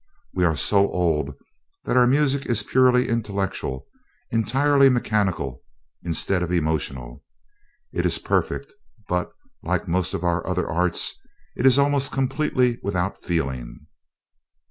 We are so old that our music is purely intellectual, entirely mechanical, instead of emotional. It is perfect, but, like most of our other arts, it is almost completely without feeling."